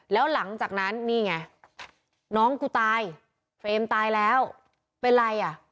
แล้วหลังจากนั้นนี่ไงน้องกูตายเฟรมตายแล้วเป็นไรอ่ะ